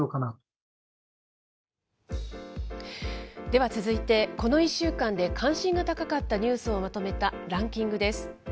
では続いて、この１週間で関心が高かったニュースをまとめたランキングです。